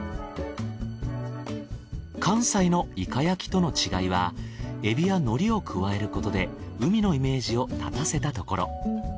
関西のイカ焼きとの違いはエビやのりを加えることで海のイメージをたたせたところ。